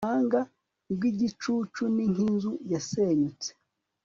ubuhanga bw'igicucu ni nk'inzu yasenyutse